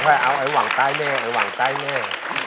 ว่าเอาไอ้หวังตายแน่ไอ้หวังตายแน่